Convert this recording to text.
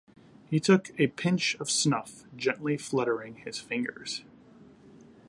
He took a pinch of snuff, gently fluttering his fingers.